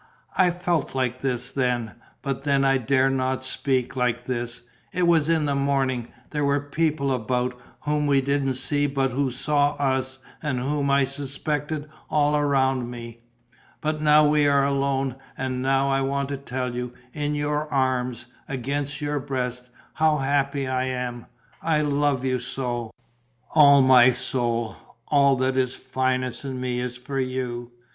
I felt like this then; but then I dared not speak like this: it was in the morning; there were people about, whom we didn't see but who saw us and whom I suspected all around me; but now we are alone and now I want to tell you, in your arms, against your breast, how happy I am! I love you so! All my soul, all that is finest in me is for you.